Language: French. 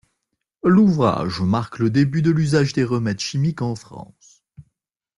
L'ouvrage marque le début de l'usage des remèdes chimiques en France.